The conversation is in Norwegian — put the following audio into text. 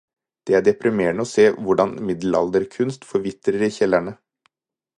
Det er deprimerende å se hvordan middelalderkunst forvitrer i kjellerne.